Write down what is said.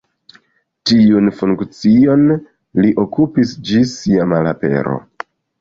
Tiun funkcion li okupis ĝis sia malapero.